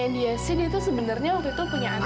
dia bilang sebenarnya dia punya anak